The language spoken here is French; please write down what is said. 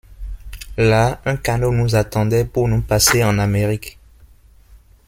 Là, un canot nous attendait pour nous passer « en Amérique ».